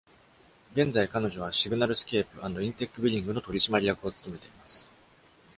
現在彼女は、Signalscape and Intec Billing の取締役を務めています。